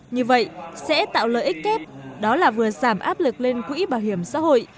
như vậy sẽ tạo lợi ích kép đó là vừa giảm áp lực lên quỹ bảo hiểm xã hội